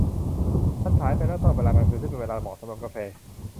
มันสายไปสำหรับเวลากลางคืนซึ่งเป็นเวลาเหมาะสำหรับกาแฟ